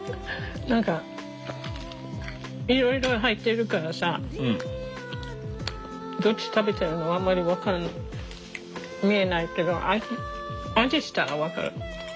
何かいろいろ入ってるからさどっち食べてるのあんまり分からない見えないけど味したら分かる。